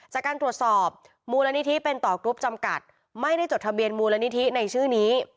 จากการตรวจสอบมูลนิธิเป็นต่อกรุ๊ปจำกัดไม่ได้จดทะเบียนมูลนิธิในชื่อนี้